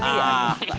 ah liat lah